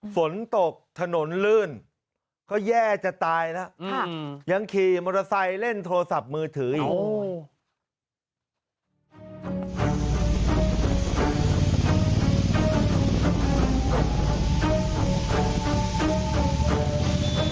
ฝนตกถนนลื่นก็แย่จะตายแล้วยังขี่มอเตอร์ไซค์เล่นโทรศัพท์มือถืออีก